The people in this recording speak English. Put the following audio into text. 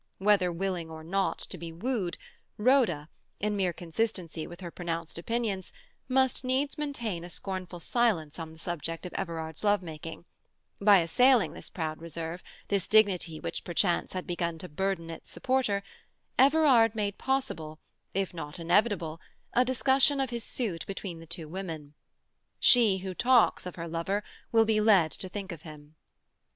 Whether willing or not to be wooed, Rhoda, in mere consistency with her pronounced opinions, must needs maintain a scornful silence on the subject of Everard's love making; by assailing this proud reserve, this dignity which perchance had begun to burden its supporter, Everard made possible, if not inevitable, a discussion of his suit between the two women. She who talks of her lover will be led to think of him.